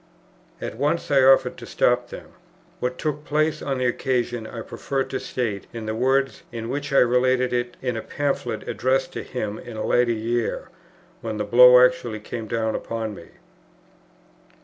At once I offered to stop them. What took place on the occasion I prefer to state in the words, in which I related it in a Pamphlet addressed to him in a later year, when the blow actually came down upon me.